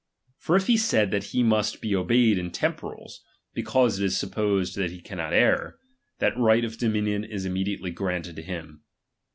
For if he say that he must be obeyed in temporals, be cause it is supposed he cannot err, that right of dommion is immediately granted him.